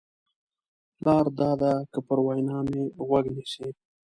لار دا ده که پر وینا مې غوږ نیسې.